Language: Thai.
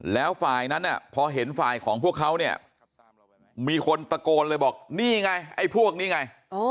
แล้วฝ่ายนั้นพอเห็นฝ่ายของพวกเขาเนี่ยมีคนตะโกนเลยบอกนี่ไงไอ้พวกนี้ไง